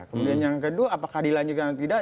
kemudian yang kedua apakah dilanjutkan atau tidak